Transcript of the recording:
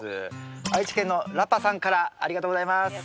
愛知県のらぱさんからありがとうございます。